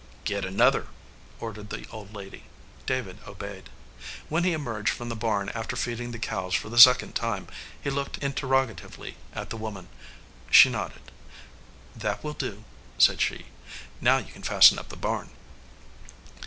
"Get another," ordered the old lady. David obeyed. When he emerged from the barn after feeding the cows for the second time he looked interroga tively at the woman. She nodded. "That will do," said she. "Now you can fasten up the barn."